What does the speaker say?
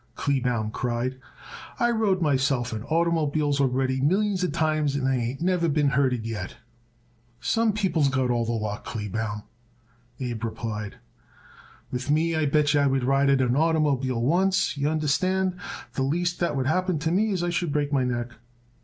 Kleebaum cried. "I rode myself in oitermobiles already millions of times and I ain't never been hurted yet." "Some people's got all the luck, Kleebaum," Abe replied. "With me I bet yer if I would ride in an oitermobile once, y'understand, the least that would happen to me is I should break my neck."